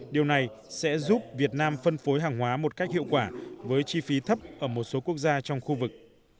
điều này sẽ giúp việt nam phân phối hàng hóa một cách hiệu quả với chi phí thấp ở một số quốc gia trong khu vực